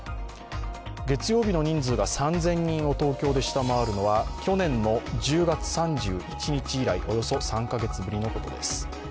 月曜日の人数が３０００人を東京で下回るのは去年の１０月３１日以来およそ３か月ぶりのことです。